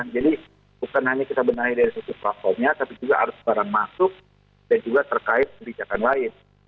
bukan hanya kita benahi dari sisi platformnya tapi juga harus barang masuk dan juga terkait kebijakan lain